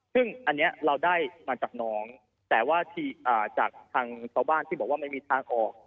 ซึ่งอันนี้เราได้มาจากน้องแต่ว่าจากทางชาวบ้านที่บอกว่าไม่มีทางออก